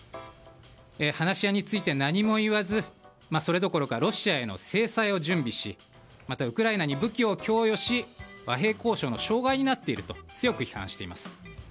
話し合いについて何も言わずそれどころかロシアへの制裁を準備しまたウクライナに武器を供与し和平交渉の障害になっていると強く批判しています。